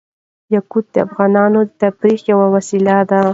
یاقوت د افغانانو د تفریح یوه وسیله ده.